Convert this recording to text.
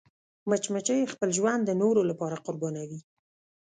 مچمچۍ خپل ژوند د نورو لپاره قربانوي